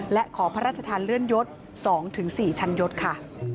และขอพระราชทานเลื่อนยศ๒๔ชั้นยศค่ะ